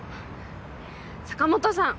坂本さん